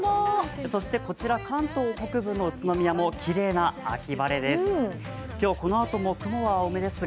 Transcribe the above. そしてこちら関東北部の宇都宮もきれいな秋晴れです。